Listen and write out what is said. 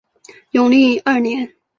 永历二年。